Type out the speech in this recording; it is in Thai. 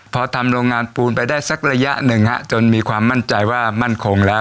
พอทำโรงงานปูนไปได้สักระยะหนึ่งฮะจนมีความมั่นใจว่ามั่นคงแล้ว